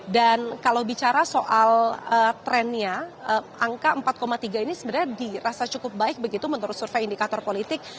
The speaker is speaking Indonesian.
dan kalau bicara soal trennya angka empat tiga ini sebenarnya dirasa cukup baik begitu menurut survei indikator politik